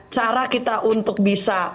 cara kita untuk bisa